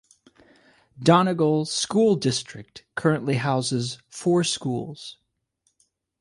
Donegal School District currently houses four schools.